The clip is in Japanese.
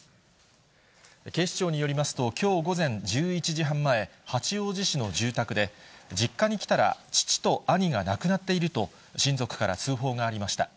警視庁によりますと、きょう午前１１時半前、八王子市の住宅で、実家に来たら、父と兄が亡くなっていると、親族から通報がありました。